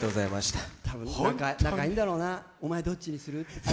仲いいんだろうな、お前どっちにする？